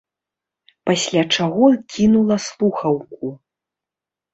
Пасля чаго кінула слухаўку.